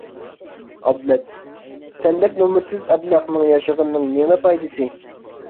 ئابلەت:سەندەك نومۇسسىز ئەبلەخنىڭ ياشىغىنىنىڭ نېمە پايدىسى.